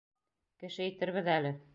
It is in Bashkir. Кеше итербеҙ әле!